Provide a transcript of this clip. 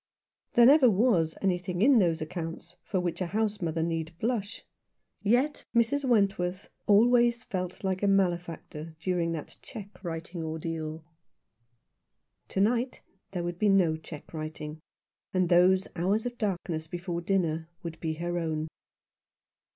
There never was anything in those accounts for which a house mother need blush ; yet Mrs. Wentworth always 68 Some One who loved Him. felt like a malefactor during that cheque writing ordeal. To night there would be no cheque writing, and those hours of darkness before dinner would be her own.